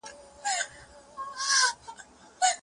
بریا یوازي د زیارکښو خلګو په نصیب کي وي.